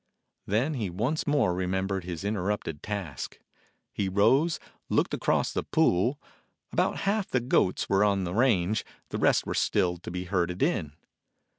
Then he once more remembered his interrupted task. He rose; looked across the pool. About half the goats were on the range, the rest were still to be herded in.